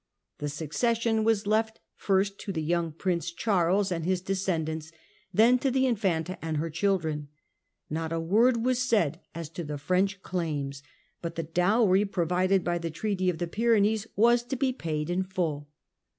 The succession was left Philip IV. fi rs t to the young Prince Charles and his de scendants, then to the Infanta and her children. Not a word was said as to the French claims, but the dowry provided by the Treaty of the Pyrenees was to be paid in full.